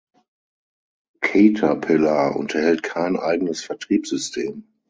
Caterpillar unterhält kein eigenes Vertriebssystem.